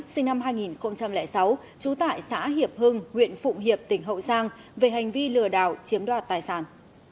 sinh năm hai nghìn sáu trú tại xã hiệp hưng huyện phụng hiệp tỉnh hậu giang về hành vi lừa đảo chiếm đoạt tài sản